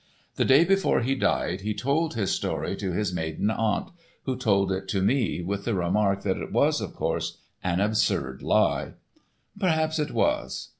The day before he died he told this story to his maiden aunt, who told it to me, with the remark that it was, of course, an absurd lie. Perhaps it was.